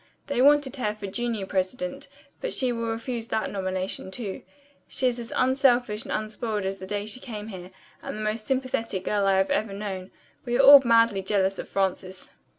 They want her for junior president, but she will refuse that nomination, too. She is as unselfish and unspoiled as the day she came here and the most sympathetic girl I have ever known. We are all madly jealous of Frances."